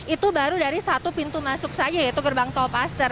itu baru dari satu pintu masuk saja yaitu gerbang tol paster